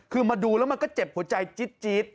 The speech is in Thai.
คือมาดูแล้วมันก็เจ็บหัวใจจี๊ด